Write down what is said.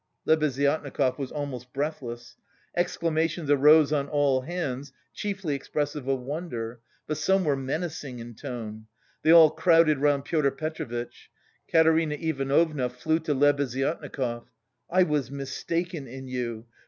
Lebeziatnikov was almost breathless. Exclamations arose on all hands chiefly expressive of wonder, but some were menacing in tone. They all crowded round Pyotr Petrovitch. Katerina Ivanovna flew to Lebeziatnikov. "I was mistaken in you!